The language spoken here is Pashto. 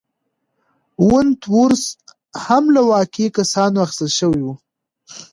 وُنت وُرث هم له واقعي کسانو اخیستل شوی و.